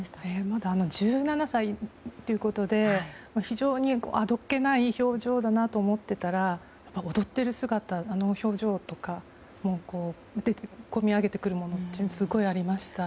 まだ１７歳ということで非常にあどけない表情だなと思っていたら踊っている姿あの表情とか見ていてこみ上げてくるものがすごくありました。